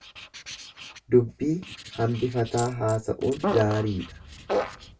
Dubbii hambifataa haasa'uun gaariidha.